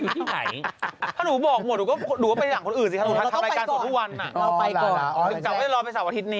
อ๋อจังว่าจะรอไปเสาร์วันอาทิตย์นี้